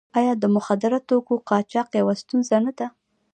آیا د مخدره توکو قاچاق یوه ستونزه نه ده؟